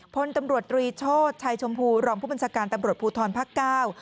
พลตำรวจตรีโชชัยชมพูรองผู้บัญชาการตำรวจภูทรภาคเก้า